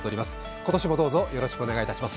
今年もどうぞよろしくお願いいたします。